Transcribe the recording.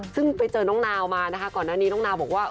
ซึ่งไปเจอน้องนาวมานะคะก่อนหน้านี้น้องนาวบอกว่า